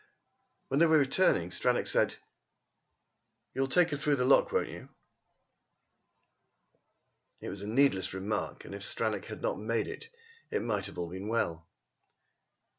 When they were returning, Stranack said: "You'll take her through the lock, won't you?" It was a needless remark, and if Stranack had not made it all might have been well.